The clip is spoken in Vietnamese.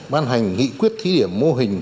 ban hành nghị quyết thí điểm mô hình